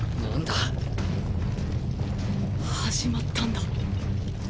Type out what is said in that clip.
何だ⁉始まったんだ。